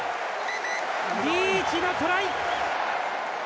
リーチのトライ！